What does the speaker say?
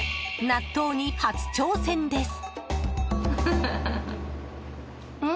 納豆に初挑戦です。